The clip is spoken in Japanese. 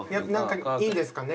いいんですかね？